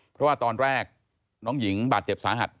เพราะว่าตอนแรกน้องหญิงบาดเจ็บสาหัส